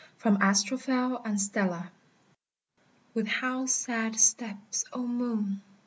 FROM "ASTROPHEL AND STELLA." With how sad steps, O Moon!